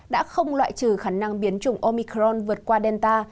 đã không loại trừ khả năng biến chủng omicron vượt qua delta